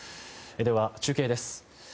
では、中継です。